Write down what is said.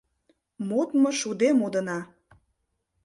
Модмо шуде модына.